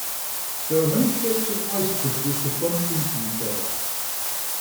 There are many shapes of ice crystals to bump into each other.